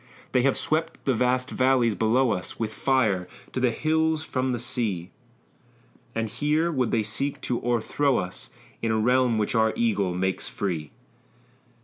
They have swept the vast valleys below us With fire, to the hills from the sea; And here would they seek to o'erthrow us In a realm which our eagle makes free!"